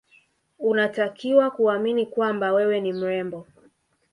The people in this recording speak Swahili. Unatakiwa kuamini kwamba wewe ni mrembo